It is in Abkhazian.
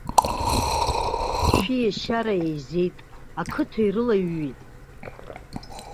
Шәиешьара еизеит, ақыҭа ирылаҩҩит.